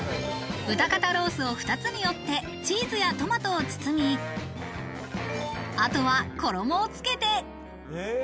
豚肩ロースを２つにおってチーズやトマトを包み、あとは衣をつけて。